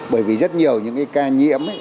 bởi vì rất nhiều những ca nhiễu